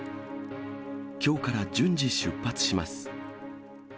きょうから順次出発します。